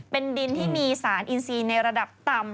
เป็นดินที่มีสารอินซีในระดับต่ำ